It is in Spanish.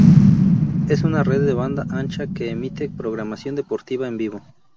Es una red de banda ancha que emite programación deportiva en vivo.